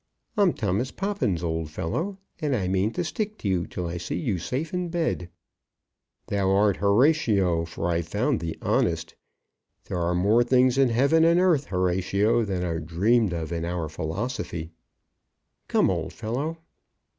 "I'm Thomas Poppins, old fellow; and I mean to stick to you till I see you safe in bed." "Thou art Horatio, for I've found thee honest. There are more things in heaven and earth, Horatio, than are dreamed of in our philosophy." "Come, old fellow."